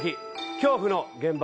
恐怖の現場